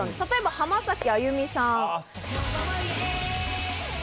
例えば浜崎あゆみさん。